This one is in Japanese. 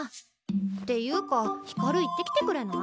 っていうか光行ってきてくれない？